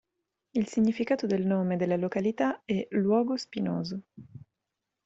Il significato del nome della località è "luogo spinoso".